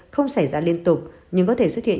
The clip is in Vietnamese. không xảy ra liên tục nhưng có thể xuất hiện